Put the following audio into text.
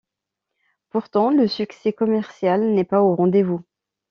Pourtant le succès commercial n'est pas au rendez-vous.